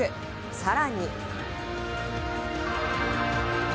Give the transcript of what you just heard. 更に。